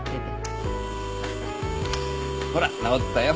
ほら直ったよ。